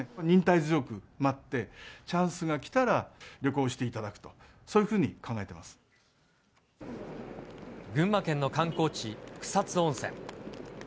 忍耐強く待って、チャンスが来たら旅行していただくと、そういう群馬県の観光地、草津温泉。